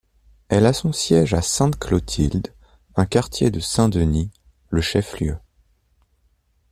Elle a son siège à Sainte-Clotilde, un quartier de Saint-Denis, le chef-lieu.